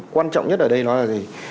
quan trọng nhất ở đây là gì